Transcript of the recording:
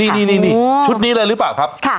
นี่ชุดนี้เลยหรือเปล่าครับ